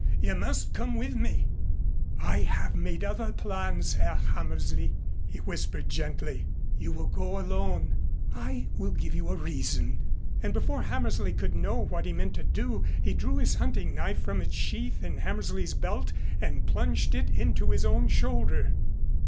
You must come with me." "I have made other plans, Herr Hammersley," he whispered gently. "You will go alone. I will give you a reason." And before Hammersley could know what he meant to do, he drew his hunting knife from its sheath in Hammersley's belt and plunged it into his own shoulder.